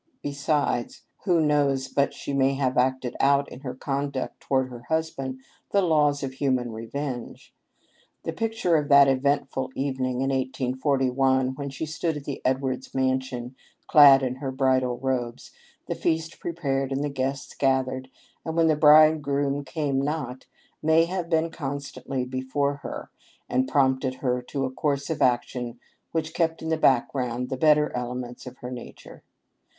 Besides, who knows but she may have acted out in her conduct toward her husband the laws of human revenge ? The picture of that eventful evening in 1841, when she stood at the Edwards mansion clad in her bridal robes, the feast prepared and the guests gathered, and when the bridegroom came not, may have been constantly before her, and prompted her to a course of action which kept in the background the better elements of her nature.